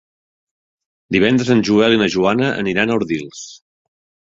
Divendres en Joel i na Joana aniran a Ordis.